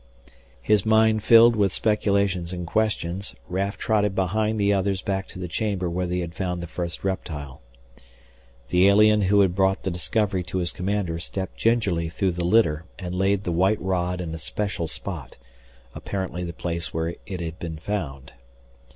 His mind filled with speculations and questions, Raf trotted behind the others back to the chamber where they had found the first reptile. The alien who had brought the discovery to his commander stepped gingerly through the litter and laid the white rod in a special spot, apparently the place where it had been found.